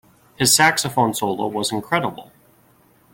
His saxophone solo was incredible.